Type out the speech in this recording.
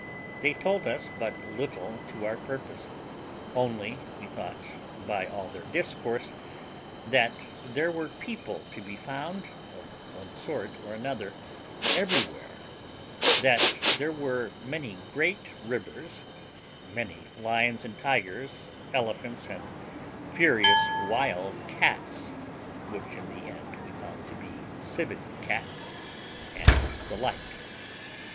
They told us but little to our purpose, only we thought, by all their discourse, that there were people to be found, of one sort or other, everywhere; that there were many great rivers, many lions and tigers, elephants, and furious wild cats (which in the end we found to be civet cats), and the like.